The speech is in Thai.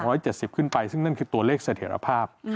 ไม่ถึง๒๗๐ขึ้นไปซึ่งนั่นคือตัวเลขเสถียรภาพ